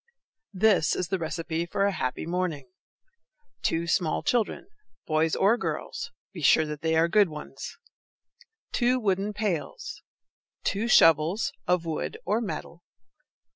THIS is the receipt for a happy morning: Two small children, boys or girls; be sure that they are good ones! Two wooden pails. Two shovels, of wood or metal.